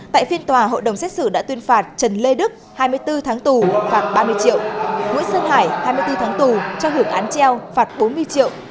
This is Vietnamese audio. tại phiên tòa hội đồng xét xử đã tuyên phạt trần lê đức hai mươi bốn tháng tù phạt ba mươi triệu nguyễn sơn hải hai mươi bốn tháng tù cho hưởng án treo phạt bốn mươi triệu